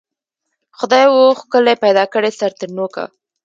خدای وو ښکلی پیدا کړی سر تر نوکه